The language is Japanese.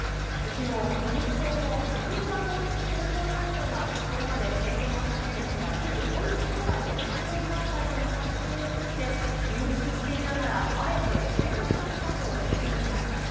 昨日、自民党の萩生田光一政調会長がこれまで明言を避けてきた旧統一教会の関連団体との関係について、認識していながら、あえて触れなかったと説明しました。